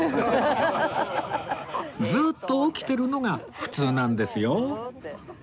ずーっと起きてるのが普通なんですよ